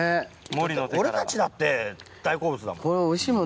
俺たちだって大好物だもん。